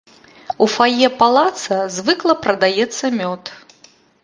У фае палаца звыкла прадаецца мёд.